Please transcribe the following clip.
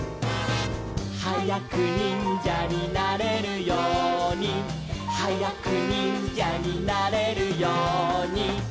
「はやくにんじゃになれるように」「はやくにんじゃになれるように」